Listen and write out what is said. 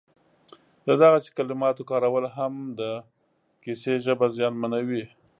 د دغسې کلماتو کارول هم د کیسې ژبه زیانمنوي